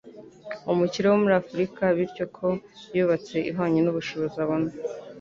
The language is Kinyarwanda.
umukire wo muri Afurika, bityo ko yubatse ihwanye n'ubushobozi abona.